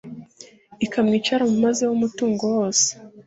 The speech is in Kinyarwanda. ikamwica yaramumazeho umutungo wose